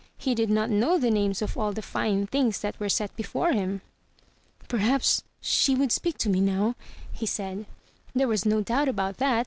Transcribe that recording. He did not know the names of all the fine things that were set before him. "Perhaps she would speak to me now," he said. There was no doubt about that.